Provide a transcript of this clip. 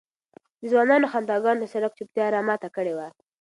د ځوانانو خنداګانو د سړک چوپتیا را ماته کړې وه.